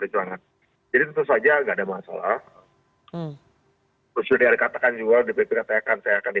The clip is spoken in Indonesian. jadi tentu saja gak ada masalah